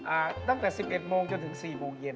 อ่าตั้งแต่๑๑โมงจนถึง๑๖โมงเย็น